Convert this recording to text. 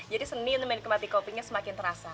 jadi senil menikmati kopinya semakin terasa